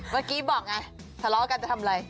เมื่อกี้บอกไงทะเลาะกันจะทำอะไร